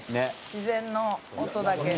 自然の音だけ」